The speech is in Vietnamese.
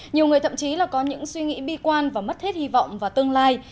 nhiều người thậm chí là có những suy nghĩ bi quan và mất hết hy vọng vào tương lai